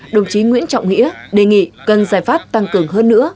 đồng chí nguyễn trọng nghĩa đề nghị cần giải pháp tăng cường hơn nữa